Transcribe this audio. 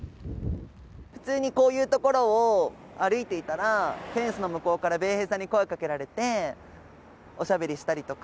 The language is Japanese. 普通にこういう所を歩いていたら、フェンスの向こうから米兵さんに声かけられて、おしゃべりしたりとか。